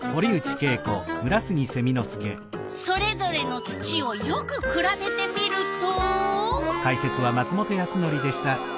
それぞれの土をよくくらべてみると。